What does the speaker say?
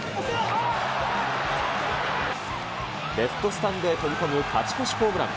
レフトスタンドへ飛び込む勝ち越しホームラン。